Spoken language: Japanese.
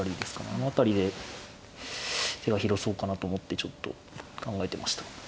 あの辺りで手が広そうかなと思ってちょっと考えてました。